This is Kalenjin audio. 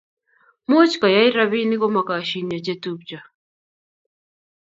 Much kuyai robik ko ma koschinio chetupyo